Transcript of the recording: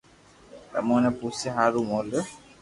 تمو ني پوسيا ھارو مو ليو